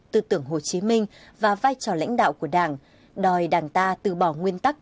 tư tưởng hồ chí minh và vai trò lãnh đạo của đảng đòi đảng ta từ bỏ nguyên tắc